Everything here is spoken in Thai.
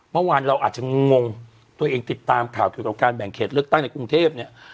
เมื่อวานเราอาจจะงงตัวเองติดตามข่าวเกี่ยวกับการแบ่งเขตเลือกตั้งในกรุงเทพเนี่ย